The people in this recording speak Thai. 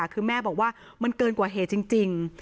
คือแม่บอกว่ามันเกินกว่าเหตุจริง